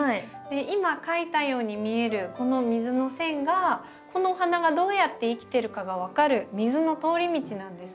今描いたように見えるこの水の線がこのお花がどうやって生きてるかが分かる水の通り道なんですね。